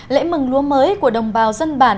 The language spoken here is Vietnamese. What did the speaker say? lễ mừng lúa mới của đồng bào dân bản